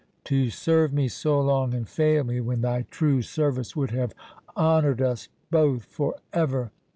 —To serve me so long, and fail me when thy true service would have honoured us both for ever!